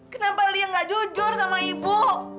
kenapa lia gak jujur sama ibu